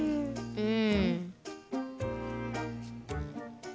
うん。